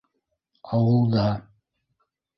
Ауылда.